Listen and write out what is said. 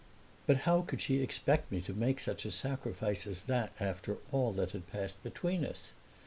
But how could she expect me to make such a sacrifice as that after all that had passed between us?